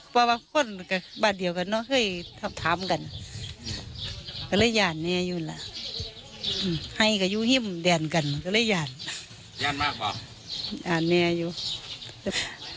ถ้าแน่นแล้วก็ก็ต้องทำกันก็และญ่านแน่อยู่แล้ว